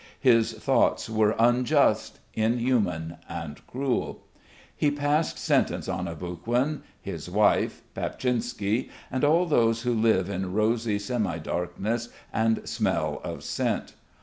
His thoughts were unjust, inhuman, and cruel. He passed sentence on Aboguin, his wife, Papchinsky, and all those who live in rosy semi darkness and smell of scent.